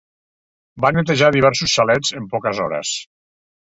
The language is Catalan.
Van netejar diversos xalets en poques hores.